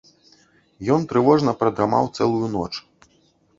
Ён трывожна прадрамаў цэлую ноч.